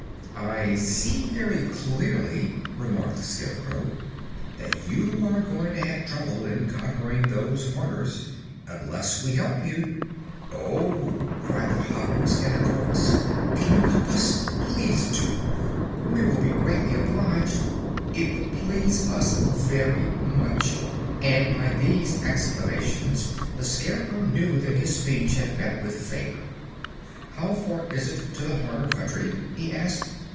"I see very clearly," remarked the Scarecrow, "that you are going to have trouble in conquering those Horners unless we help you." "Oh!" cried the Hoppers in a chorus; "can you help us? Please do! We will be greatly obliged! It would please us very much!" and by these exclamations the Scarecrow knew that his speech had met with favor. "How far is it to the Horner Country?" he asked.